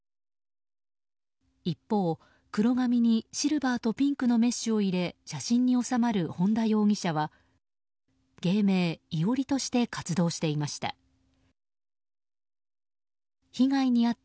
一方、黒髪にシルバーとピンクのメッシュを入れ写真に収まる本田容疑者は芸名・伊織として活動していました。